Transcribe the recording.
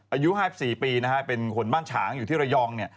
อายุ๕๔ปีนะฮะเป็นคนบ้านฉางอยู่ที่ระยองเนี่ย